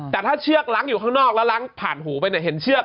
แต่ถ้าเชือกล้างอยู่ข้างนอกแล้วล้างผ่านหูไปเนี่ยเห็นเชือก